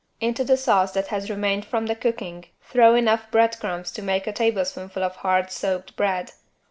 Into the sauce that has remained from the cooking throw enough breadcrumbs to make a tablespoonful of hard soaked bread.